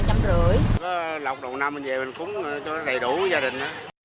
có lọc đầu năm mình về mình cúng cho đầy đủ gia đình